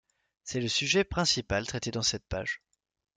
C'est le sujet principal traité dans cette page.